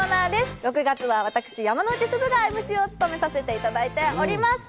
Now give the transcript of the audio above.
６月は私、山之内すずがＭＣを務めさせていただいております。